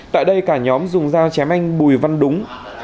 tại đây cả nhóm dùng dao chém anh bùi văn đúng